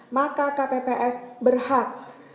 maka kpps berhak